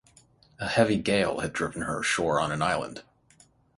A heavy gale had driven her ashore on an island.